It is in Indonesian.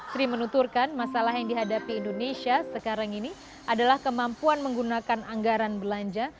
sri menuturkan masalah yang dihadapi indonesia sekarang ini adalah kemampuan menggunakan anggaran belanja